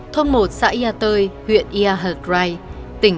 thôn một xã yà tơi